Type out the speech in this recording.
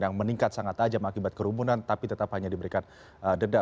yang meningkat sangat tajam akibat kerumunan tapi tetap hanya diberikan denda